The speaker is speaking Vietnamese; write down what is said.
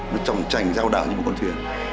nó trọng trành rao đảo như một con thuyền